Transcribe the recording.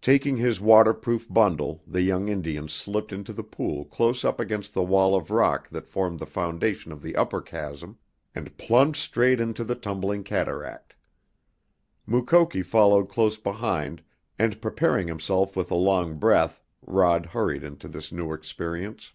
Taking his waterproof bundle the young Indian slipped into the pool close up against the wall of rock that formed the foundation of the upper chasm and plunged straight into the tumbling cataract. Mukoki followed close behind and preparing himself with a long breath Rod hurried into this new experience.